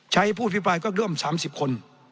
ใจผู้พิบรายก็เริ่ม๓๐คน